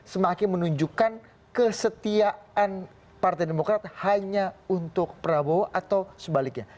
semakin menunjukkan kesetiaan partai demokrat hanya untuk prabowo atau sebaliknya